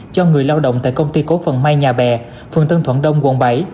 cho người lao động tại công ty cổ phận mai nhà bè phường tân thuận đông quận bảy